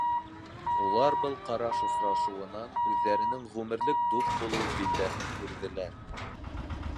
Улар был ҡараш осрашыуынан үҙҙәренең ғүмерлек дуҫ булыу билдәһен күрҙеләр.